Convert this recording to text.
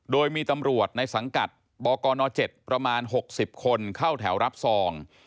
โดยมีตำรวจในสังกัดบกน๗ประมาณ๖๐คนเข้าแถวรับซอง